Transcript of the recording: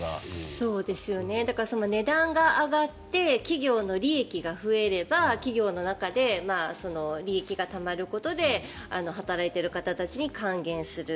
値段があって企業の利益が増えれば企業の中で利益が高まることで働いている方たちに還元する。